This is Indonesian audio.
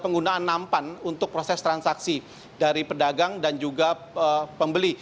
penggunaan nampan untuk proses transaksi dari pedagang dan juga pembeli